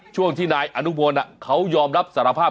ช่วงที่นายอนุพลเขายอมรับสารภาพ